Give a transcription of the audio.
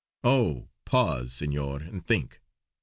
Oh! pause, Senor, and think.